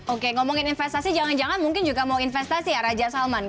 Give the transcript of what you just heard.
oke ngomongin investasi jangan jangan mungkin juga mau investasi ya raja salman